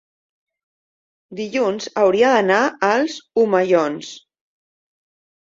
dilluns hauria d'anar als Omellons.